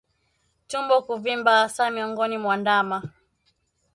Tumbo kuvimba hasa miongoni mwa ndama